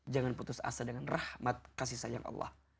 jangan putus asa dengan rahmat kasih sayang allah